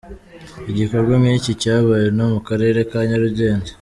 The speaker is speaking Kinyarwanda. Igikorwa nk’iki cyabaye no mu Karere ka Nyarugenge.